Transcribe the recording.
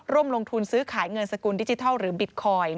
ร่วมลงทุนซื้อขายเงินสกุลดิจิทัลหรือบิตคอยน์